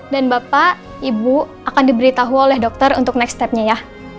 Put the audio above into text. dan bapak ibu akan diberitahu oleh dokter untuk next stepnya ya